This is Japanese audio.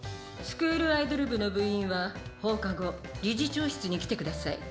スクールアイドル部の部員は放課後理事長室に来て下さい。